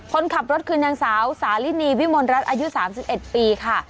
คนขับรถคือนางสาวสาลินีวิมลรัฐอายุ๓๑ปีค่ะ